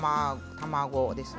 卵ですね。